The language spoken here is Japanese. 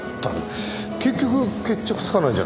結局決着つかないじゃないですか。